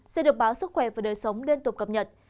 sẽ được báo sức khỏe và đời sống liên tục cập nhật